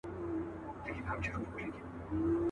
پر ګودر دي مېلمنې د بلا سترګي.